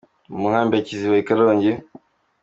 mu Nkambi ya Kiziba i Karongi.